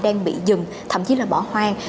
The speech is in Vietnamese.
đang bị dừng thậm chí là bỏ hoang